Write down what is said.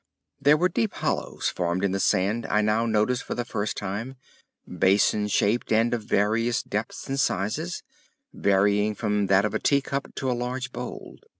There were deep hollows formed in the sand I now noticed for the first time, basin shaped and of various depths and sizes, varying from that of a tea cup to a large bowl.